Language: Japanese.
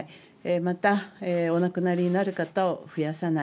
また、お亡くなりになる方を増やさない。